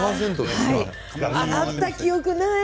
洗った記憶がない。